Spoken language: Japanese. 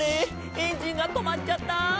エンジンがとまっちゃった！」